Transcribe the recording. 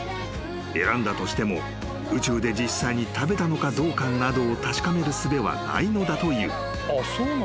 ［選んだとしても宇宙で実際に食べたのかどうかなどを確かめるすべはないのだという］